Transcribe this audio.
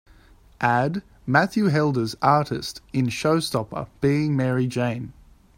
add Matthew Helders artist in Showstopper Being Mary Jane